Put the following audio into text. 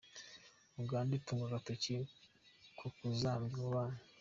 Uganda itungwa agatoki ku kuzambya umubano